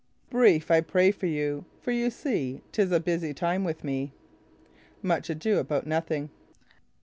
"Brief, I pray for you; for you see, 'tis a busy time with me." —Much Ado About Nothing.